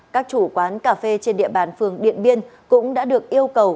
các chủ quán cà phê trên địa bàn phường điện biên cũng đã được yêu cầu